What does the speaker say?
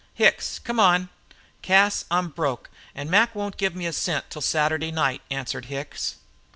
"Hicks, come on." "Cas, I'm broke, an' Mac won't give me a cent till Saturday night," answered Hicks.